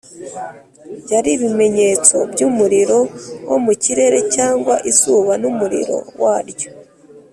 yari ibimenyetso by’umuriro wo mu kirere cyangwa izuba n’umuriro waryo